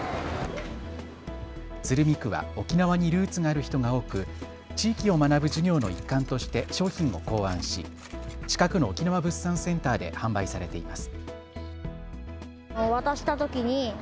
鶴見区は沖縄にルーツがある人が多く地域を学ぶ授業の一環として商品を考案し近くの沖縄物産センターで販売されています。